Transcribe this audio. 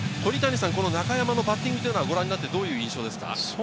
中山のバッティングはどういう印象ですか？